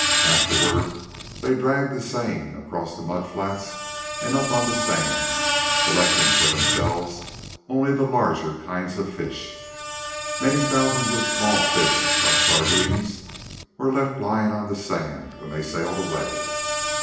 Afterward, they dragged a seine across the mud flats and up on the sand, selecting for themselves only the larger kinds of fish. Many thousands of small fish, like sardines, they left dying on the sand when they sailed away.